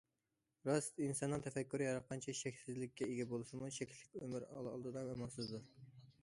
راست، ئىنساننىڭ تەپەككۇرى ھەر قانچە چەكسىزلىككە ئىگە بولسىمۇ چەكلىك ئۆمۈر ئالدىدا ئامالسىزدۇر.